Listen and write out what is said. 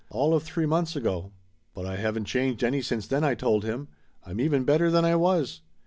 "All of three months ago !" "But I haven't changed any since then !" I told him. "I'm even better than I was.